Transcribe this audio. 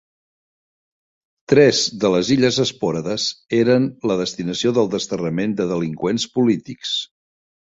Tres de les illes Espòrades eren la destinació del desterrament de delinqüents polítics.